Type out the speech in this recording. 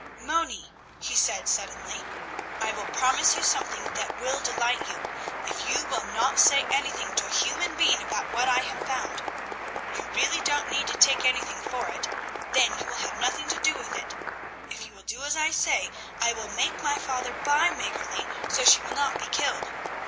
"Moni," he said suddenly, "I will promise you something that will delight you, if you will not say anything to a human being about what I have found; you really don't need to take anything for it, then you will have nothing to do with it. If you will do as I say, I will make my father buy Mäggerli, so she will not be killed.